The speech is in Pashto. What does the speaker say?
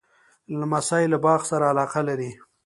لمسی له باغ سره علاقه لري.